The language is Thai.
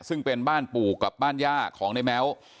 ซึ่งเป็นบ้านปู่กับบ้านย่าของในแม้ว